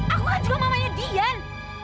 aku kan juga mamanya dian